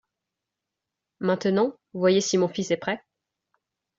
Maintenant, voyez si mon fils est prêt ?